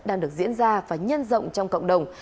đang được diễn ra và nhân rộng trong cộng đồng